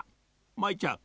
舞ちゃん